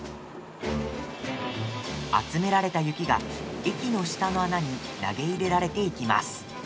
集められた雪が駅の下の穴に投げ入れられていきます。